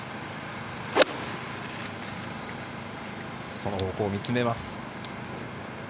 その方向を見つめます。